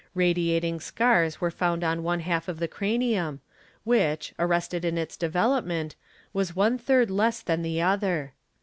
Radiating scars were found on one 7 ha lf of the cranium, which, arrested in its development, was one third less than the other.